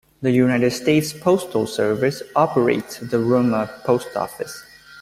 The United States Postal Service operates the Roma Post Office.